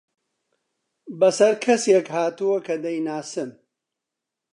بەسەر کەسێک هاتووە کە دەیناسم.